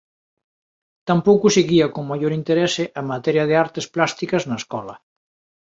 Tampouco seguía con maior interese a materia de artes plásticas na escola.